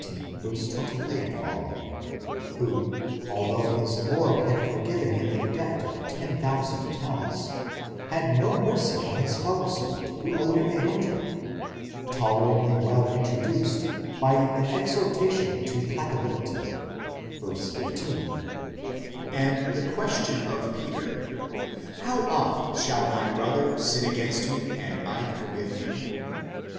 23 ff) who, although his lord had forgiven him a debt of ten thousand talents, had no mercy on his fellow servant who owed him a hundred ; tolerably well introduced by an exhorta tion to placability (v. 15), and the question of Peter, How oft shall my brother sin against me, and I forgive him?